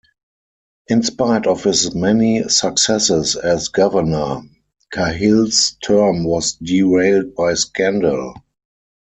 In spite of his many successes as governor, Cahill's term was derailed by scandal.